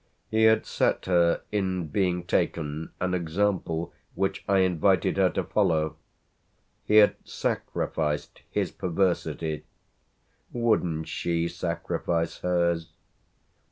He had set her in being taken an example which I invited her to follow; he had sacrificed his perversity wouldn't she sacrifice hers?